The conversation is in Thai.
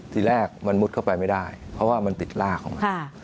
ทีแรกมันมุดเข้าไปไม่ได้เพราะว่ามันติดรากของมัน